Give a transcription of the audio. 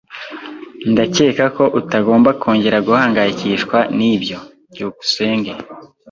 Ndakeka ko utagomba kongera guhangayikishwa nibyo. byukusenge